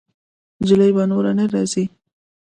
جلۍ به نوره نه راځي.